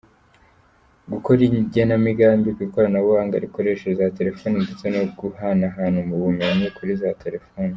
Gukora igenamigambi ku ikoranabuhanga rikoresheje za Telefoni ndetse no guhanahana ubumenyi kuri za Telefoni.